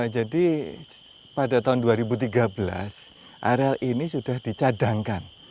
jadi pada tahun dua ribu tiga belas areal ini sudah dicadangkan